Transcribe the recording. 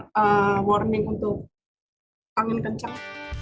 tidak ada perakiraan untuk angin kencang